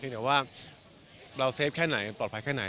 แต่ว่าเราเซฟแค่ไหนปลอดภัยแค่ไหน